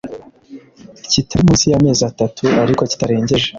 kitari munsi y amezi atatu ariko kitarengeje